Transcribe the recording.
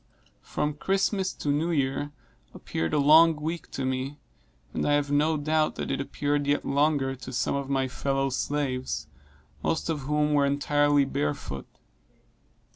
From Christmas to New Year appeared a long week to me, and I have no doubt that it appeared yet longer to some of my fellow slaves, most of whom were entirely barefoot.